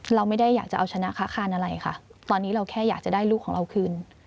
เราไม่ได้อยากจะเอาชนะค้าคานอะไรค่ะตอนนี้เราแค่อยากจะได้ลูกของเราคืน